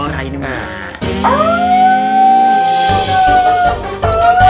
nah ini berapa